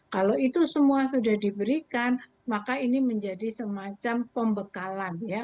kalau itu semua sudah diberikan maka ini menjadi semacam pembekalan ya